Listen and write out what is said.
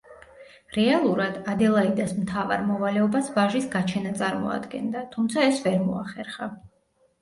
რეალურად, ადელაიდას მთავარ მოვალეობას ვაჟის გაჩენა წარმოადგენდა, თუმცა ეს ვერ მოახერხა.